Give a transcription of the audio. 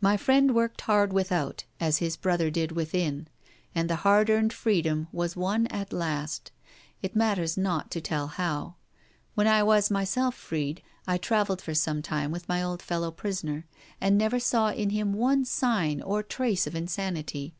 My friend worked hard without, as his brother did within; and the hard earned freedom was won at last, it matters not to tell how. When I was myself freed, I travelled for some time with my old fellow prisoner, and never saw in him one sign or trace of insanity.